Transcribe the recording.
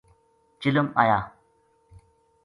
چلم آیا